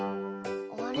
あれ？